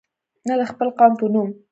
نه د خپل قوم په نوم.